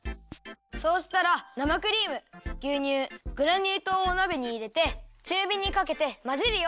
そうしたら生クリームぎゅうにゅうグラニューとうをおなべにいれてちゅうびにかけてまぜるよ。